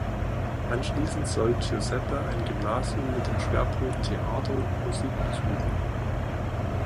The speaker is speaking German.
Anschließend soll Giuseppe ein Gymnasium mit dem Schwerpunkt Theater und Musik besuchen.